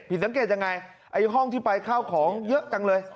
สังเกตยังไงไอ้ห้องที่ไปข้าวของเยอะจังเลย